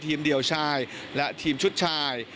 เดียวชายและทีมชุดชาย